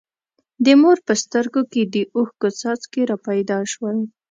د مور په سترګو کې د اوښکو څاڅکي را پیدا شول.